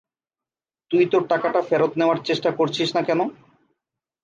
তুই তোর টাকাটা ফেরত নেওয়ার চেষ্টা করছিস না কেন?